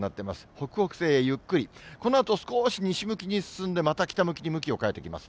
北北西へゆっくり、このあと少し西向きに進んで、また北向きに向きを変えてきます。